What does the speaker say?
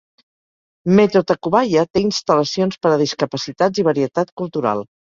Metro Tacubaya té instal·lacions per a discapacitats i varietat cultural.